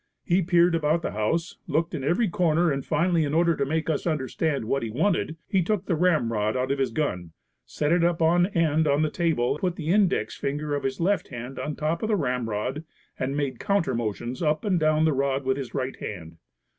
He peered about the house, looked in every corner and finally in order to make us understand what he wanted, he took the ramrod out of his gun, set it up on end on the table, put the index finger of his left hand on top of the ramrod and made counter motions up and down the rod with his right hand.